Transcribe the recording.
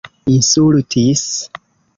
insultis